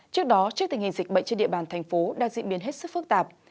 trước đó trước tình hình dịch bệnh trên địa bàn tp hcm đang diễn biến hết sức phức tạp